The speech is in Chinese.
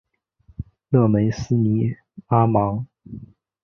勒梅斯尼阿芒。